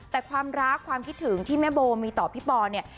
แต่ความรักความคิดถึงที่แม่โบมีต่อพี่ปอเนี่ย